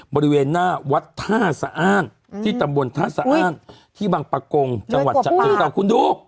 บริเวณหน้าวัดท่าสะอ้านที่ตำบลท่าสะอ้านที่บังปะกงจังหวัดฉะเชิงเศร้าคุณดู